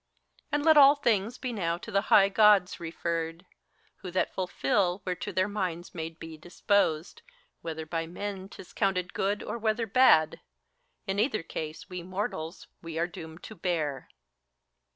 And let all things be now to the high Gods referred. Who that fulfil, whereto their minds may be disposed, Whether by men 't is counted good, or whether bad ; In either case we mortals, we are doomed to bear.